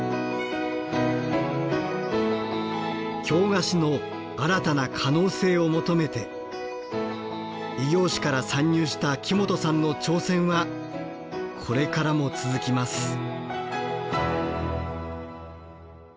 京菓子の新たな可能性を求めて異業種から参入した木本さんの挑戦はこれからも続きます。